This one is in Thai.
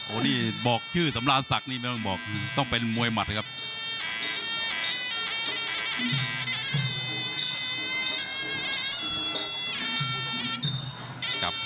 โอ้โหนี่บอกชื่อสำราญศักดิ์ไม่ต้องบอกต้องเป็นมวยหมัดครับ